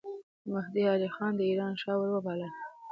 مهدي علي خان د ایران شاه وروباله.